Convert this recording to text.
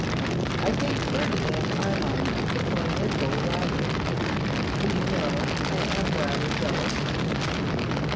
'I think Ferdinand Armine is a formidable rival. Do you know, I am rather jealous?